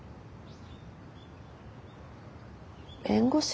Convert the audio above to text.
弁護士。